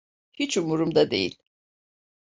Hiç umurumda değil.